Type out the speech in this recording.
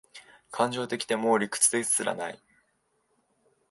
感情的で、もう理屈ですらない